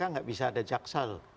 tidak bisa ada jaksal